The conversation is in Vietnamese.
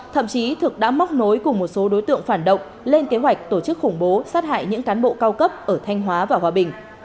thậm chí thực đã móc nối cùng một số đối tượng phản động lên kế hoạch tổ chức khủng bố sát hại những cán bộ cao cấp ở thanh hóa và hòa bình